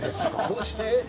どうして？